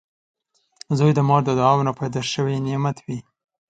• زوی د مور د دعاوو نه پیدا شوي نعمت وي